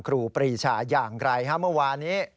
ครูปรีชาอย่างไรฮะเมื่อวานนี้